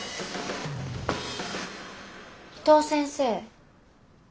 伊藤先生